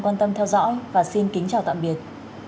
quan tâm theo dõi và xin kính chào tạm biệt